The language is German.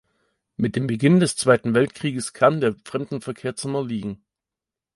Mit dem Beginn des Zweiten Weltkrieges kam der Fremdenverkehr zum Erliegen.